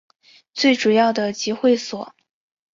最主要的集会所